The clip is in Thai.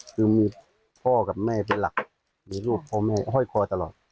คือมีพ่อกับแม่เป็นหลักมีลูกพ่อแม่ห้อยคอตลอด